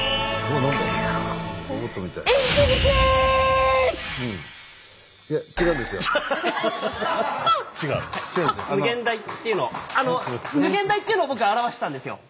無限大っていうのを無限大っていうのを僕表したんですよ。